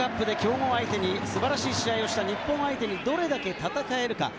ワールドカップで強豪相手に素晴らしい試合をした日本を相手にどれだけ戦えるか。